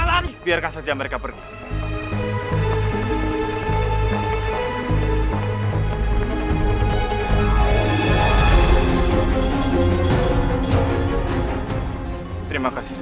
adipati dharma seta